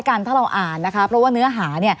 ถ้าเราอ่านนะคะเพราะว่าเนื้อหา